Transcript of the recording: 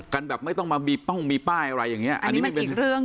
กันแบบไม่ต้องมามีป้องมีป้ายอะไรอย่างเงี้ยอันนี้มันอีกเรื่องนึง